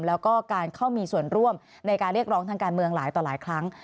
แล้วก็การเข้ามีส่วนร่วมในการเรียกร้องทางการเมืองหลายต่อหลายครั้ง